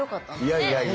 いやいやいや。